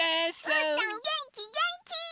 うーたんげんきげんき！